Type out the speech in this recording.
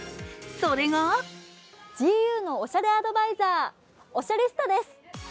それがＧＵのおしゃれアドバイザー、おしゃリスタです。